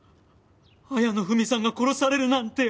綾野文さんが殺されるなんて。